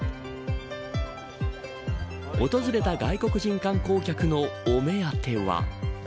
訪れた外国人観光客のお目当ては。